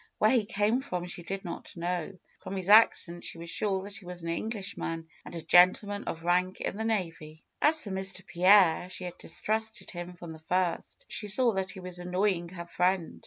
Where he came from she did not know; but from his accent she was sure that he was an Englishman and a gentleman of rank in the navy. FAITH 267 As for Mr. Pierre, she had distrusted him from the first. She saw that he was annoying her friend.